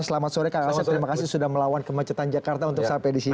selamat sore kang asep terima kasih sudah melawan kemacetan jakarta untuk sampai di sini